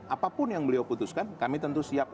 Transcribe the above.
apapun yang beliau putuskan kami tentu siap